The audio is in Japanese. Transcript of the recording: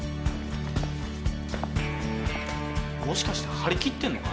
もしかして張り切ってんのか？